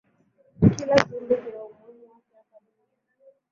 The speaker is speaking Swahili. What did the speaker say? Kila kiumbe kina umuhimu wake hapa duniani